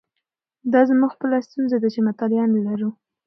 دا زموږ خپله ستونزه ده چې مطالعه نه لرو.